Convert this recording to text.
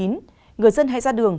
người dân hãy ra đường